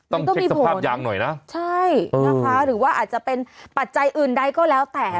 ต้องเช็คสภาพยางหน่อยนะใช่นะคะหรือว่าอาจจะเป็นปัจจัยอื่นใดก็แล้วแต่